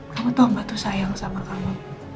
kamu tau gak tuh sayang sama kamu